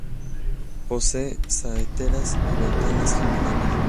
Posee saeteras y ventanas geminadas.